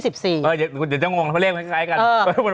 เดี๋ยวจะงงเราเรียกเหมือนกัน